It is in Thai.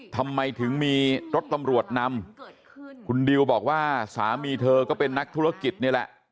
ทำไมถึงมีรถตำรวจนำคุณดิวบอกว่าสามีเธอก็เป็นนักธุรกิจนี่แหละ